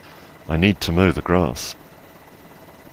I need to mow the grass.